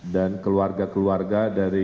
dan keluarga keluarga dari